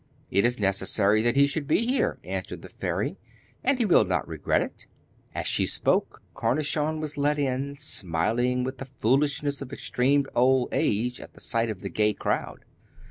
'It is necessary that he should be here,' answered the fairy, 'and he will not regret it.' And, as she spoke, Cornichon was led in, smiling with the foolishness of extreme old age at the sight of the gay crowd.